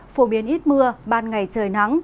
phổ biến ít mưa ban ngày trời nắng